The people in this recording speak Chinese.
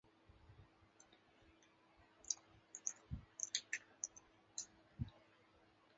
拉热伊翁。